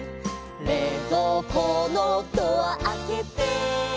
「れいぞうこのドアあけて」